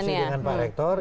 saya diskusi dengan pak rektor